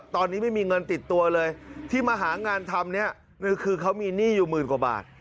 ตอนนี้ไม่มีเงินติดตัวเลยที่มาหางานทำเนี่ยคือเขามีหนี้อยู่หมื่นกว่าบาท